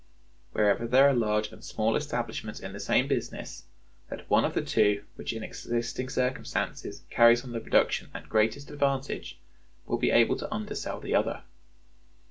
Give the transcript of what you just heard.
Wherever there are large and small establishments in the same business, that one of the two which in existing circumstances carries on the production at greatest advantage will be able to undersell the other.